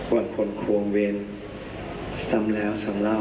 วันข้นควงเว้นสำแล้วสำเล่า